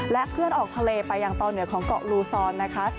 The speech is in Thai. และเคลื่อนออกเขาไปยังต้าเหนือของเกาะลูซอลนะคะ